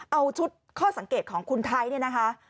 เอาชุดข้อสังเกตของคุณไทท์